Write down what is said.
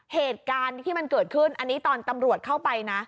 เหตุการณ์ที่มันเกิดขึ้นอันนี้ตอนตำรวจเข้าไปนะ